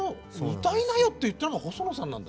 「歌いなよ」って言ったのが細野さんなんだ。